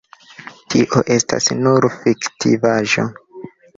Tio estas nur fiktivaĵo.